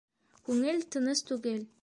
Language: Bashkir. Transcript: Күңел тыныс түгел.